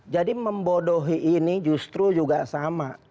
jadi membodohi ini justru juga sama